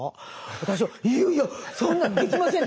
私は「いやいやそんなのできません！